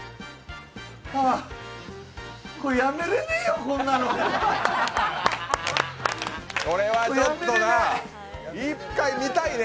ああこれ、やめれねえよ、こんなのこれはちょっと１回見たいね。